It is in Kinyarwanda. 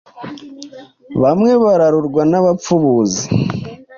bamwe bararurwa n’abapfubuzi